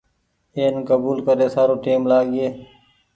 اين ڪبول ڪري سارو ٽيم لآگيئي۔